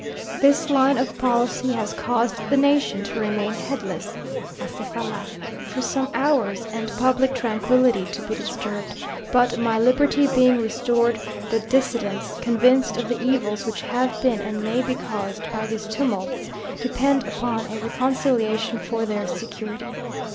_ "This line of policy has caused the nation to remain headless (acéfala) for some hours, and public tranquillity to be disturbed; but my liberty being restored, the dissidents, convinced of the evils which have been and may be caused by these tumults, depend upon a reconciliation for their security.